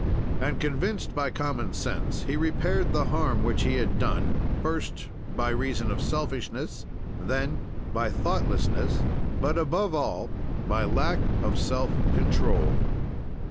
"And, convinced by common sense, he repaired the harm which he had done, first by reason of selfishness, then by thoughtlessness, but, above all, by lack of self control.